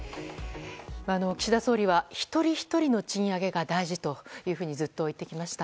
岸田総理は一人ひとりの賃上げが大事というふうにずっと言ってきました。